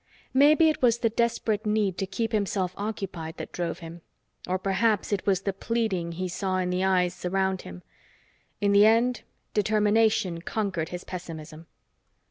Maybe it was the desperate need to keep himself occupied that drove him, or perhaps it was the pleading he saw in the eyes around him. In the end, determination conquered his pessimism.